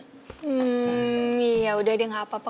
hmm iya udah deh gak apa apa